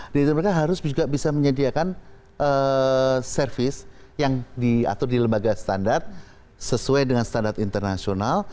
jadi mereka harus juga bisa menyediakan service yang diatur di lembaga standar sesuai dengan standar internasional